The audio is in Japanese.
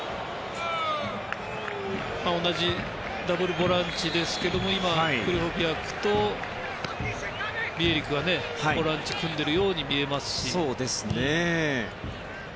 同じダブルボランチですが今、クリホビアクとビエリクはボランチを組んでいるように見えますし。